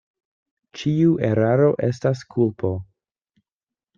Ĉiu eraro estas kulpo.